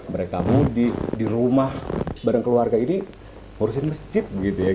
mereka mudik di rumah bareng keluarga ini ngurusin masjid begitu ya